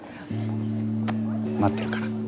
待ってるから。